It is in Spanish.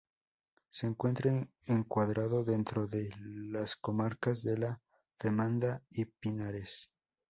Se encuentra encuadrado dentro de las comarcas de La Demanda y Pinares.